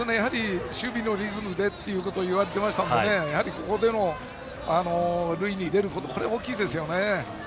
守備のリズムでと言われていましたのでここで塁に出ることは大きいですよね。